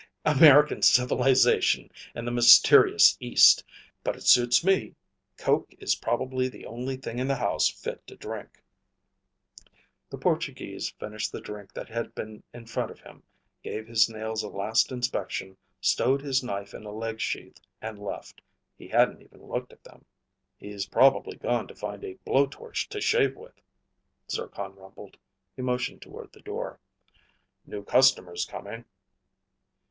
"American civilization and the mysterious East. But it suits me. Coke is probably the only thing in the house fit to drink." The Portuguese finished the drink that had been in front of him, gave his nails a last inspection, stowed his knife in a leg sheath, and left. He hadn't even looked at them. "He's probably gone to find a blowtorch to shave with," Zircon rumbled. He motioned toward the door. "New customers coming."